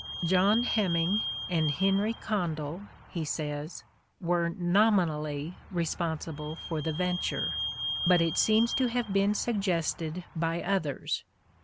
" John Heming and Henry Condell," he says, " were nominally responsible for the venture, but it seems to have been suggested by (others)